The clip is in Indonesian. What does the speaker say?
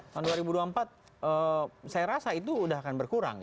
tahun dua ribu dua puluh empat saya rasa itu sudah akan berkurang